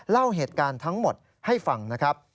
เล่าเหตุการณ์ทั้งหมดให้ฟังนะครับ